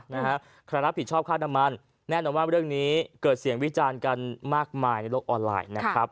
เนื้อคณะผิดชอบค่าข้าน้ำมันแน่นอนว่าเรื่องนี้เกิดเสี่ยงวิจารณ์กันมากมายโลกออนไลน์